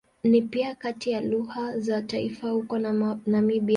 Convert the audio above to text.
Ni pia kati ya lugha za taifa huko Namibia.